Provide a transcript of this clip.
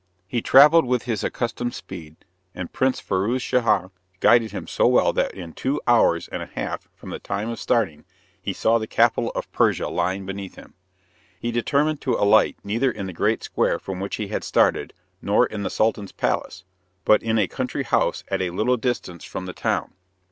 He travelled with his accustomed speed, and Prince Firouz Schah guided him so well that in two hours and a half from the time of starting, he saw the capital of Persia lying beneath him. He determined to alight neither in the great square from which he had started, nor in the Sultan's palace, but in a country house at a little distance from the town.